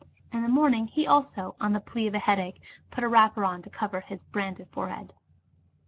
'* In the morning he also, on the plea of a headache, put a wrapper on to cover his branded forehead.